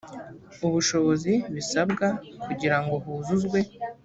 ubushobozi bisabwa kugira ngo huzuzwe